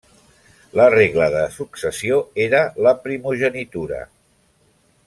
La regla de successió era la primogenitura.